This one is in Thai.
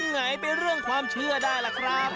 ไหนเป็นเรื่องความเชื่อได้ล่ะครับ